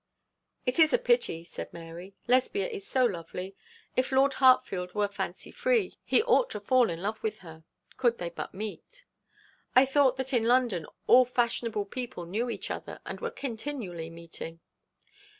'It is a pity,' said Mary. 'Lesbia is so lovely. If Lord Hartfield were fancy free he ought to fall in love with her, could they but meet. I thought that in London all fashionable people knew each other, and were continually meeting.'